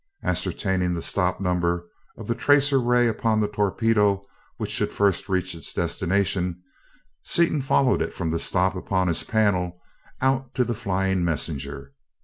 Ascertaining the stop number of the tracer ray upon the torpedo which should first reach its destination, Seaton followed it from the stop upon his panel out to the flying messenger.